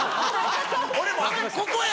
俺も、ここや！